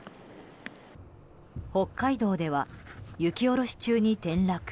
北海道では、雪下ろし中に転落。